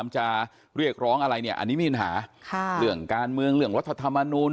จะเรียกร้องอะไรเนี่ยอันนี้ไม่มีปัญหาเรื่องการเมืองเรื่องรัฐธรรมนูล